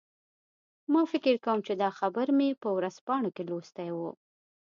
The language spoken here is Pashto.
ما فکر کوم چې دا خبر مې په ورځپاڼو کې لوستی و